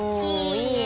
いいね！